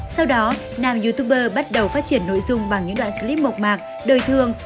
sau đó nam youtuber bắt đầu phát triển nội dung bằng những đoạn clip mộc mạc đời thường